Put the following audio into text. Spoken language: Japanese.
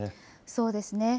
そうですね。